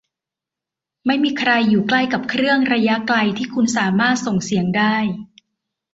ไม่มีใครอยู่ใกล้กับเครื่องระยะไกลที่คุณสามารถส่งเสียงได้ ?